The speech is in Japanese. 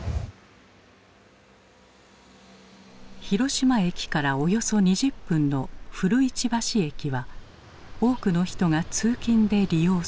広島駅からおよそ２０分の古市橋駅は多くの人が通勤で利用する。